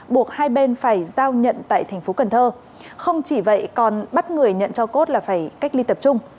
buộc hai bên phải giao nhận tại tp cn không chỉ vậy còn bắt người nhận cho cốt là phải cách ly tập trung